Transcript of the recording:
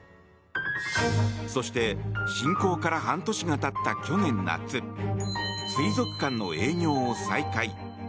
そして侵攻から半年が経った去年夏、水族館の営業を再開。